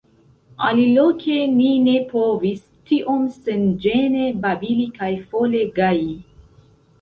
Aliloke ni ne povis tiom senĝene babili kaj fole gaji.